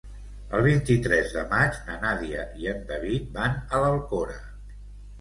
El vint-i-tres de maig na Nàdia i en David van a l'Alcora.